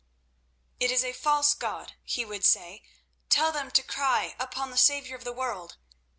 "It is a false god," he would say. "Tell them to cry upon the Saviour of the World."